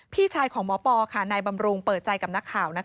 พี่ชายของหมอปอค่ะนายบำรุงเปิดใจกับนักข่าว